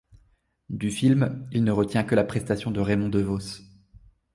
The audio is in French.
Du film, il ne retient que la prestation de Raymond Devos.